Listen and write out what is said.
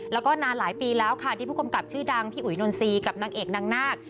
แล้วก็นานหลายปีแล้วค่ะที่ผู้กำกับชื่อดังพี่อุ๋ยนนซีกับนางเอกนางนาค